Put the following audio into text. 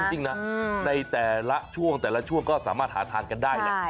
จริงนะในแต่ละช่วงแต่ละช่วงก็สามารถหาทานกันได้แหละ